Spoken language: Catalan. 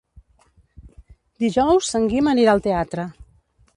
Dijous en Guim anirà al teatre.